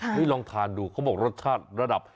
นี่ลองทานดูเขาบอกรสชาติระดับ